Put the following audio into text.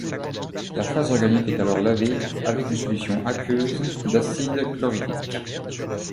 La phase organique est alors lavée avec une solution aqueuse d'acide chlorhydrique.